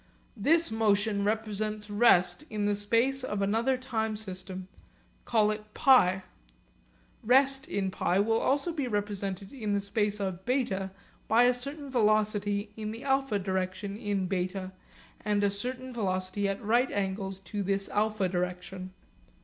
This motion represents rest in the space of another time system call it π. Rest in π will also be represented in the space of β by a certain velocity in the α direction in β and a certain velocity at right angles to this α direction.